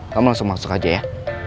kamu langsung masuk aja ya